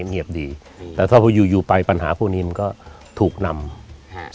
เงียบดีแต่ถ้าพออยู่ไปปัญหาผู้นิ่มก็ถูกนำฮะ